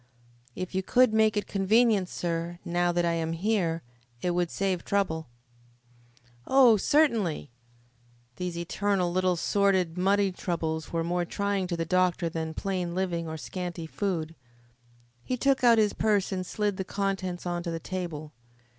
"If you could make it convenient, sir, now that I am here, it would save trouble " "Oh, certainly!" These eternal little sordid money troubles were more trying to the doctor than plain living or scanty food. He took out his purse and slid the contents on to the table.